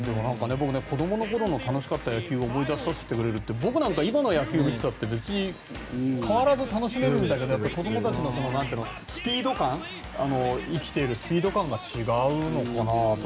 僕、子どもの頃の楽しかった野球を思い出させてくれるって僕なんかは今の野球を見ていても変わらず楽しめるんだけど子どもたちの生きているスピード感が違うのかなと。